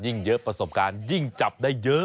เยอะประสบการณ์ยิ่งจับได้เยอะ